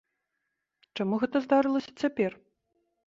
Чаму гэта здарылася цяпер?